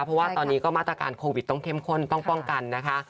เพราะว่าตอนนี้ก็มาตรการโควิดต้องเข้มข้นป้องกันนะคะ